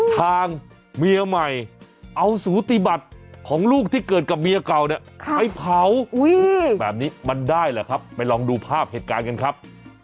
ทางเมียใหม่เอาสูติบัติของลูกที่เกิดกับเมียเก่าเนี่ยไปเผาแบบนี้มันได้เหรอครับไปลองดูภาพเหตุการณ์กันครับ